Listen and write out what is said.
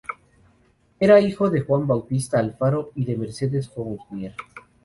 Era hijo de Juan Bautista Alfaro y de Mercedes Fournier.